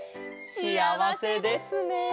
しあわせですね。